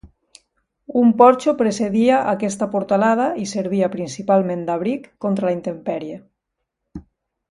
Un porxo precedia aquesta portalada i servia principalment d'abric contra la intempèrie.